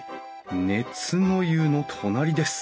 熱の湯の隣です」